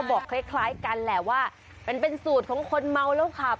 แบบนี้นะครับเขาก็บอกเครียดคล้ายกันแค่ว่าเป็นเป็นสูตรของคนเมาแล้วครับ